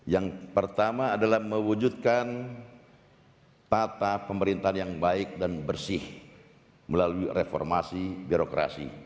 yang pertama adalah mewujudkan tata pemerintahan yang baik dan bersih melalui reformasi birokrasi